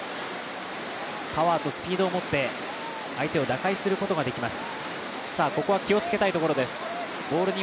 パワーとスピードを持って相手を打開することができます。